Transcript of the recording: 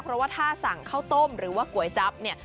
เพราะว่าถ้าสั่งข้าวต้มหรือว่าก๋วยจั๊บเนี่ย